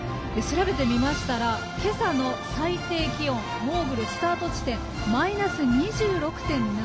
調べてみましたら今朝の最低気温モーグルスタート地点はマイナス２６．７度。